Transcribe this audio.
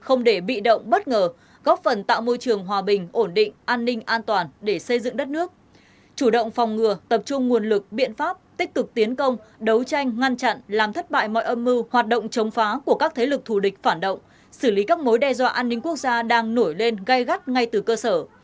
ổn định an ninh an toàn để xây dựng đất nước chủ động phòng ngừa tập trung nguồn lực biện pháp tích cực tiến công đấu tranh ngăn chặn làm thất bại mọi âm mưu hoạt động chống phá của các thế lực thù địch phản động xử lý các mối đe dọa an ninh quốc gia đang nổi lên gai gắt ngay từ cơ sở